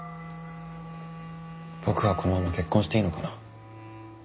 僕はこのまま結婚していいのかな？